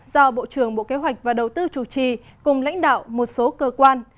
do bộ trưởng bộ kế hoạch và đầu tư chủ trì cùng lãnh đạo một số cơ quan